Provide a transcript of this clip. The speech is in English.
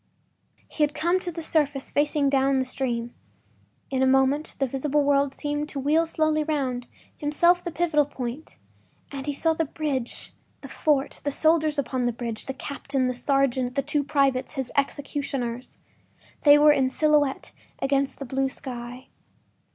He had come to the surface facing down the stream; in a moment the visible world seemed to wheel slowly round, himself the pivotal point, and he saw the bridge, the fort, the soldiers upon the bridge, the captain, the sergeant, the two privates, his executioners. They were in silhouette against the blue sky.